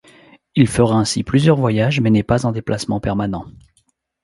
Il fera ainsi plusieurs voyage mais n'est pas en déplacement permanent.